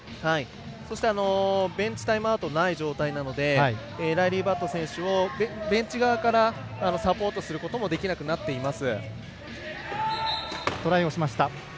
そしてベンチタイムアウトがない状態なのでライリー・バット選手をベンチ側からサポートすることもできなくなっています。